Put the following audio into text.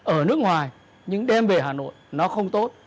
ở nước ngoài những đêm về hà nội nó không tốt